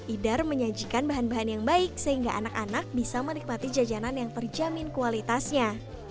idar menyajikan bahan bahan yang baik sehingga anak anak bisa menikmati jajanan yang terjamin kualitasnya